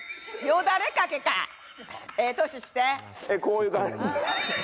えっこういう感じ。